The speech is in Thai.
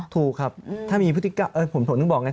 ถูกครับถ้ามีพฤติกรรมผมถึงบอกไง